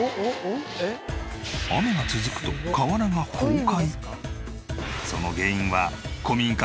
雨が続くと瓦が崩壊！？